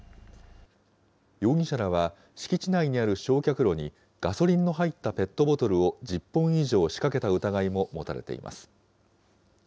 容疑者らは敷地内にある焼却炉にガソリンの入ったペットボトルを１０本以上仕掛けた疑いも持たれています。